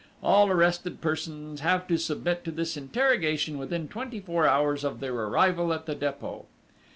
All arrested persons have to submit to this interrogation within twenty four hours of their arrival at the Dépôt.